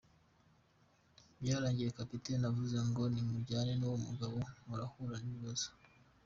Byarangiye Captain avuze ngo ‘nimujyana n’uwo mugabo murahura n’ibibazo.